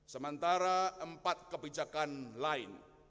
sementara empat kebijakan lain